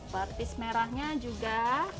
petis merahnya juga